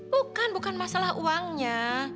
bukan bukan masalah uangnya